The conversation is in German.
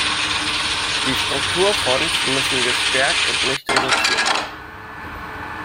Die Strukturfonds müssen gestärkt und nicht reduziert werden.